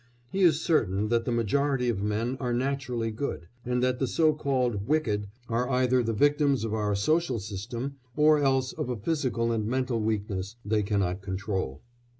He is certain that the majority of men are naturally good, and that the so called "wicked" are either the victims of our social system, or else of a physical and mental weakness they cannot control.